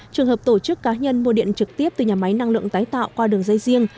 trường hợp tổ chức cá nhân mua điện trực tiếp từ nhà máy năng lượng tái tạo qua đường dây riêng